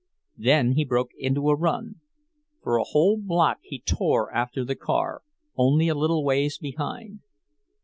Then he broke into a run. For a whole block he tore after the car, only a little ways behind.